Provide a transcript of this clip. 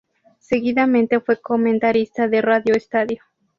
Seguidamente fue comentarista de Radio Estadio.